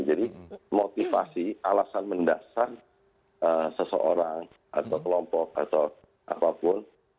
jadi motivasi alasan mendasar seseorang atau kelompok atau apapun